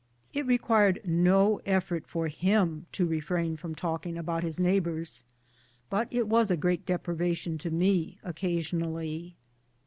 It required no effort for him to refrain from talking about his neighbors, but it was a great deprivation to me occasionally.